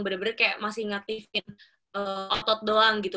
bener bener kayak masih ingetin otot doang gitu